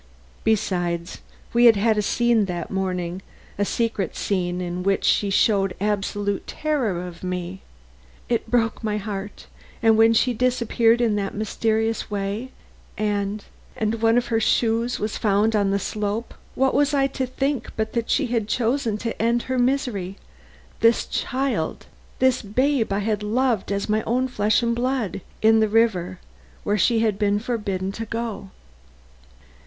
Besides, we had had a scene that morning a secret scene in which she showed absolute terror of me. It broke my heart, and when she disappeared in that mysterious way and and one of her shoes was found on the slope, what was I to think but that she had chosen to end her misery this child! this babe I had loved as my own flesh and blood! in the river where she had been forbidden to go?"